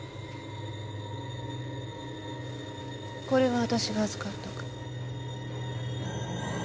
これは私が預かっとく。